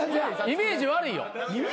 イメージが悪い？